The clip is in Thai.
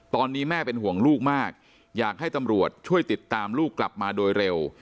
ตอนนี้แม่เป็นห่วงลูกมากอยากให้ตำรวจช่วยติดตามลูกกลับมาโดยเร็ว